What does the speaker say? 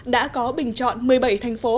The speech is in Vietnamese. đã có bình chọn một mươi bảy thành phố